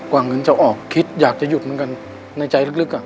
ว่าเงินจะออกคิดอยากจะหยุดเหมือนกันในใจลึกอ่ะ